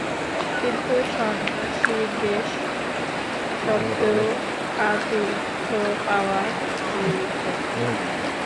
কিন্তু সন্ন্যাসীর বেশ সত্ত্বেও আতিথ্য পাওয়া দুর্ঘট।